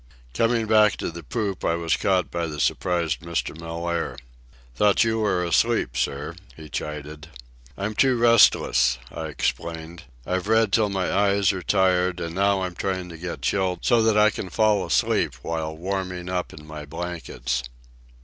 Coming back to the poop I was caught by the surprised Mr. Mellaire. "Thought you were asleep, sir," he chided. "I'm too restless," I explained. "I've read until my eyes are tired, and now I'm trying to get chilled so that I can fall asleep while warming up in my blankets."